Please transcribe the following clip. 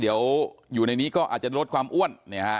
เดี๋ยวอยู่ในนี้ก็อาจจะลดความอ้วน